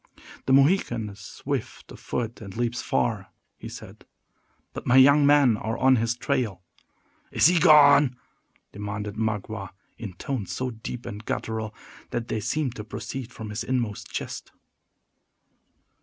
"The Mohican is swift of foot, and leaps far," he said; "but my young men are on his trail." "Is he gone?" demanded Magua, in tones so deep and guttural, that they seemed to proceed from his inmost chest.